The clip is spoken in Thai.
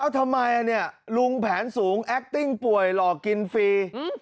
ทำไมลุงแผนสูงแอคติ้งป่วยหลอกกินฟรี